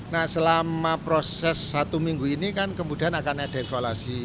nah selama proses satu minggu ini kan kemudian akan ada evaluasi